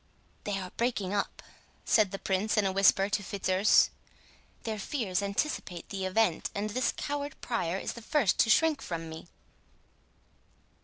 "They are breaking up," said the Prince in a whisper to Fitzurse; "their fears anticipate the event, and this coward Prior is the first to shrink from me."